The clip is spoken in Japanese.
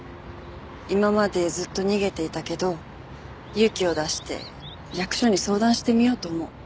今までずっと逃げていたけど勇気を出して役所に相談してみようと思う。